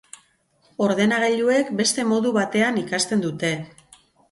Ordenagailuek beste modu batean ikasten dute.